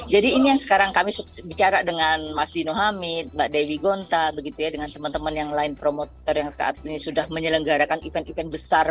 jadi ini yang sekarang kami bicara dengan mas dino hamid mbak dewi gonta dengan teman teman yang lain promotor yang saat ini sudah menyelenggarakan event event besar